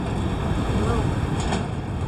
Айһылыу!